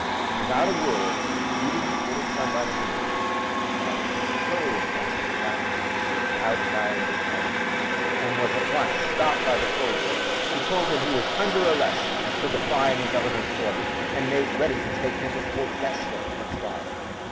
Without a word, leading his little son by the hand, Tell strode past the cap without bowing his head and was at once stopped by the soldiers who told him he was under arrest for defying the Governor's order and made ready to take him before Gessler for trial.